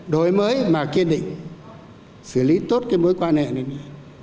đổi mới mà kiên định xử lý tốt cái mối quan hệ này